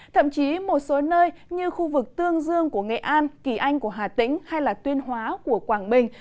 thậm chí một số nơi như khu vực tương dương của nghệ an kỳ anh của hà tĩnh hay tuyên hóa của quảng bình